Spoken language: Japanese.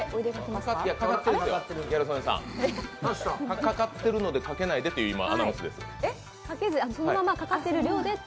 ギャル曽根さん、かかっているのでかけないでというアナウンスです。